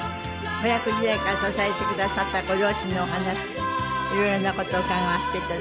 子役時代から支えてくださったご両親のお話いろいろな事を伺わせていただきます。